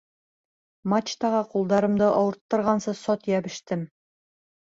Мачтаға ҡулдарымды ауырттырғансы сат йәбештем.